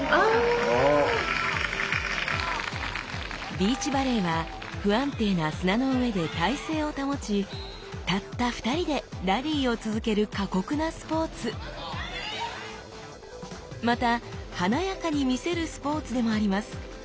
ビーチバレーは不安定な砂の上で体勢を保ちたった２人でラリーを続ける過酷なスポーツまた華やかにみせるスポーツでもあります。